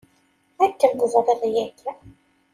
Akken teẓriḍ yagi.